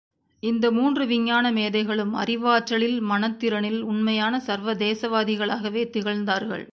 இந்த மூன்று விஞ்ஞான மேதைகளும் அறிவாற்றலில் மனத்திறனில் உண்மையான சர்வதேசவாதிகளாகவே திகழ்ந்தார்கள்!